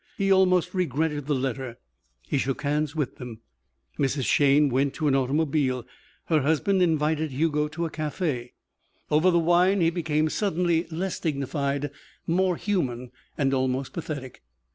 He almost regretted the letter. He shook hands with them. Mrs. Shayne went to an automobile. Her husband invited Hugo to a café. Over the wine he became suddenly less dignified, more human, and almost pathetic.